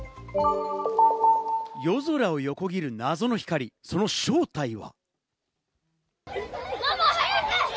夜空を横切る謎の光、その正体は？